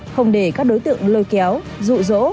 không để các đối tượng lôi kéo rụ rỗ